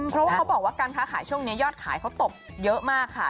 เพราะว่าเขาบอกว่าการค้าขายช่วงนี้ยอดขายเขาตกเยอะมากค่ะ